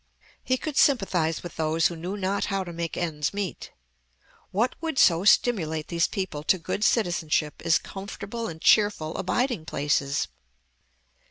He could sympathize with those who knew not how to make ends meet. What would so stimulate these people to good citizenship as comfortable and cheerful abiding places?